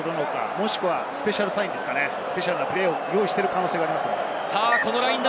もしくはスペシャルサイン、スペシャルなプレーを用意している可能性があります。